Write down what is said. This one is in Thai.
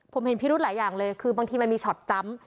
ผมเห็นพิรุธหลายอย่างเลยคือบางทีมันมีช็อตจำ